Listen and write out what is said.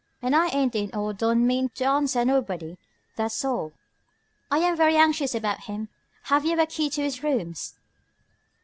He ain't in or he don' mean to answer nobody, tha's all." "I am very anxious about him. Have you a key to his rooms?"